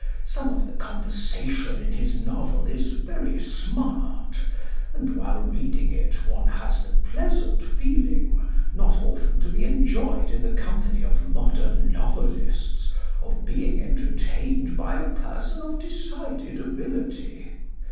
Some of the conversation in his novel is very smart, and while reading it one has the pleasant feeling, not often to be enjoyed in the company of modern novelists, of being entertained by a person of decided ability.